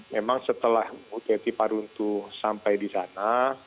memang setelah teti parutu sampai di sana